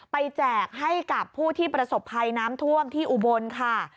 แจกให้กับผู้ที่ประสบภัยน้ำท่วมที่อุบลค่ะ